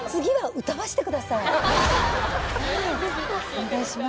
お願いします。